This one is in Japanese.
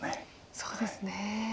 そうですね。